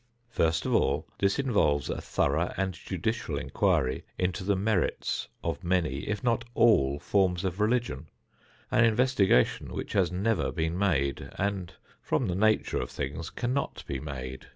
First of all, this involves a thorough and judicial inquiry into the merits of many, if not all, forms of religion, an investigation which has never been made, and from the nature of things cannot be made.